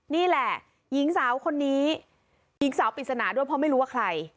นี่แหละหญิงสาวคนนี้หญิงสาวปริศนาด้วยเพราะไม่รู้ว่าใคร